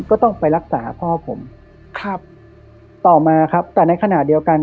ก็ต้องไปรักษาพ่อผมครับต่อมาครับแต่ในขณะเดียวกัน